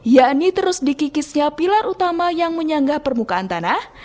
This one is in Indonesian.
yakni terus dikikisnya pilar utama yang menyanggah permukaan tanah